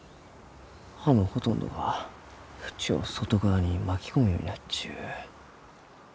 葉のほとんどが縁を外側に巻き込むようになっちゅう。